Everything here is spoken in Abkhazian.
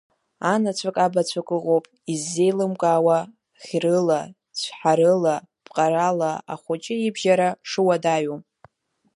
Анацәак, абацәак ыҟоуп иззеилымкаауа ӷьрыла, цәҳарыла, пҟарала ахәыҷы ибжьара шуадаҩу.